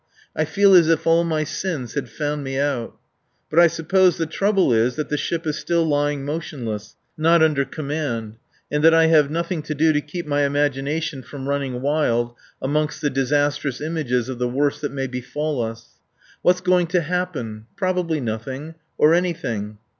I feel as if all my sins had found me out. But I suppose the trouble is that the ship is still lying motionless, not under command; and that I have nothing to do to keep my imagination from running wild amongst the disastrous images of the worst that may befall us. What's going to happen? Probably nothing. Or anything.